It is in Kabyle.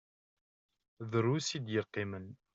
Drus i d-yeqqimen.